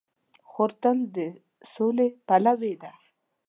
خور تل د سولې پلوي ده.